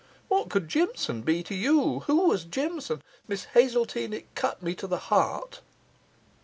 What could Jimson be to you? Who was Jimson? Miss Hazeltine, it cut me to the heart.